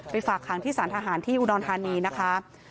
ฝากขังที่สารทหารที่อุดรธานีนะคะ